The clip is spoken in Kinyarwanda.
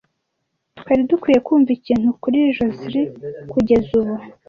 Twari dukwiye kumva ikintu kuri Josehl kugeza ubu.